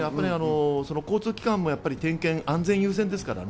交通機関も安全優先ですからね。